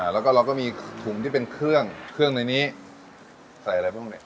แล้วก็มีถุงที่เป็นเครื่องในนี้ใส่อะไรพวก